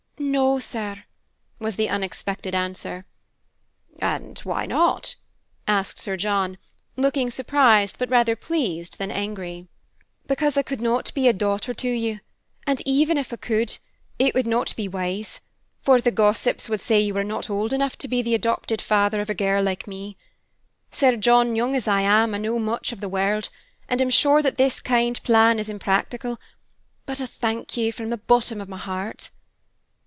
"No, sir" was the unexpected answer. "And why not?" asked Sir John, looking surprised, but rather pleased than angry. "Because I could not be a daughter to you; and even if I could, it would not be wise, for the gossips would say you were not old enough to be the adopted father of a girl like me. Sir John, young as I am, I know much of the world, and am sure that this kind plan is impractical; but I thank you from the bottom of my heart."